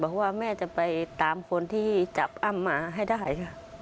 เพราะว่าแม่จะไปตามคนที่จับอ้ำมาให้ได้